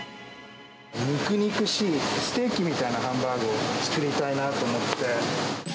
肉肉しい、ステーキみたいなハンバーグを作りたいなと思って。